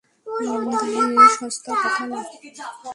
দামী, সস্তা কথা না।